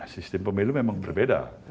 sistem pemilu memang berbeda